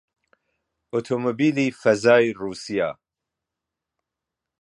ئۆتۆمۆبیلی فەزای ڕووسیا